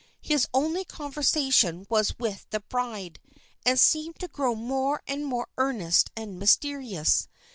His only conversation was with the bride, and seemed to grow more and more earnest and mysterious.